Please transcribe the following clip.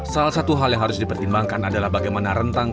salah satu hal yang harus dipertimbangkan adalah bagaimana rentang